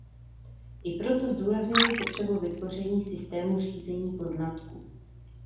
I proto zdůrazňuji potřebu vytvoření systému řízení poznatků.